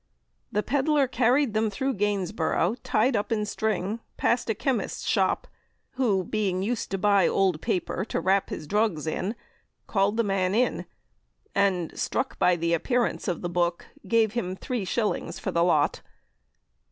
The pedlar carried them through Gainsborough tied up in string, past a chemist's shop, who, being used to buy old paper to wrap his drugs in, called the man in, and, struck by the appearance of the 'Boke,' gave him 3_s_. for the lot.